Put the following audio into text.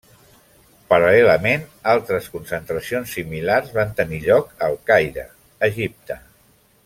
Paral·lelament, altres concentracions similars van tenir lloc al Caire, Egipte.